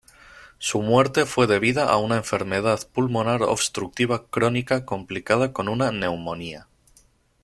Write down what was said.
Su muerte fue debida a una enfermedad pulmonar obstructiva crónica complicada con una neumonía.